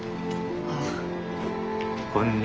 ああ。